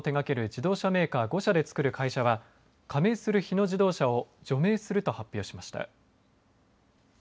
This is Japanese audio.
自動車メーカー５社で作る会社は加盟する日野自動車を除名すると発表しました。